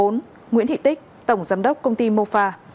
bốn nguyễn thị tích tổng giám đốc công ty mofa